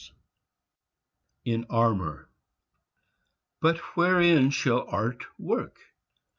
IN ARMOUR, But wherein shall Art work?